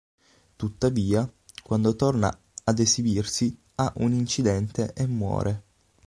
Tuttavia, quando torna ad esibirsi ha un incidente e muore.